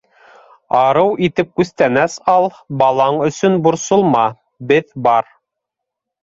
Арыу итеп күстәнәс ал, балаң өсөн борсолма - беҙ бар.